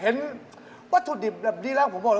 เอาของแดมมาชนของสวยอย่างงานตรงนี้ครับคุณแม่ตั๊ก